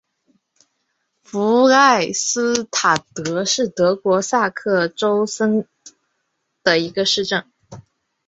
弗赖斯塔特是德国下萨克森州的一个市镇。